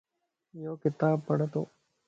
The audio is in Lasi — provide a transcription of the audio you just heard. يو ڪتاب پڙتون